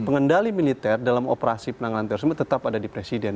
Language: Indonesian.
pengendali militer dalam operasi penanganan terorisme tetap ada di presiden